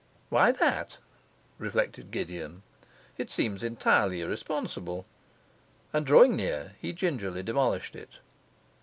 'Why that?' reflected Gideon. 'It seems entirely irresponsible.' And drawing near, he gingerly demolished it.